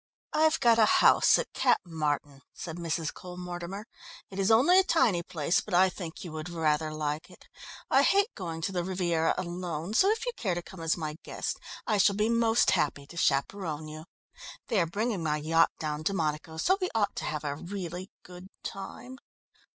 "I've got a house at Cap Martin," said Mrs. Cole Mortimer. "It is only a tiny place, but I think you would rather like it. I hate going to the Riviera alone, so if you care to come as my guest, I shall be most happy to chaperon you. They are bringing my yacht down to Monaco, so we ought to have a really good time."